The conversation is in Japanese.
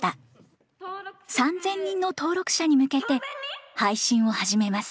３，０００人の登録者に向けて配信を始めます。